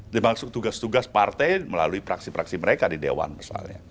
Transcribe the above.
dimaksud tugas tugas partai melalui praksi praksi mereka di dewan misalnya